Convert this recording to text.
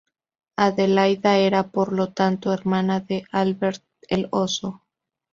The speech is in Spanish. Adelaida era por lo tanto hermana de Alberto el Oso.